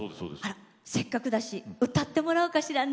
せっかくだし歌ってもらおうかしらね。